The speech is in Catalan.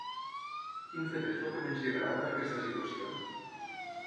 Quin fet és el que menys li agrada d'aquesta situació?